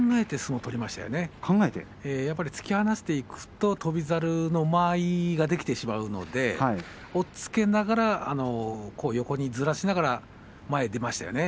やはり突き放していくと翔猿の間合いができてしまうので押っつけながら横にずらしながら前に出ましたよね。